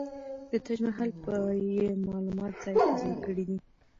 د تاج محل په يې معلومات ځاى په ځاى کړي دي.